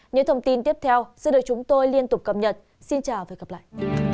những thông tin tiếp theo sẽ được chúng tôi liên tục cập nhật xin chào và hẹn gặp lại